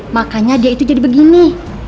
makanya dia itu jadi begini